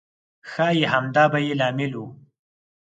ښایي همدا به یې لامل و.